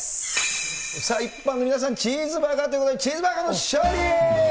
さあ、一般の皆さん、チーズバーガーということで、チーズバーガーの勝利！